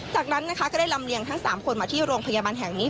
จากนั้นนะคะก็ได้ลำเลียงทั้ง๓คนมาที่โรงพยาบาลแห่งนี้